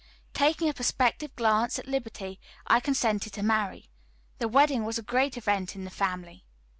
Taking a prospective glance at liberty, I consented to marry. The wedding was a great event in the family.